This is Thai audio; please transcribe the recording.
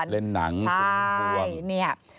เล่นหนังใช่